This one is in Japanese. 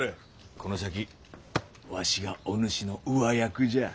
この先わしがお主の上役じゃ。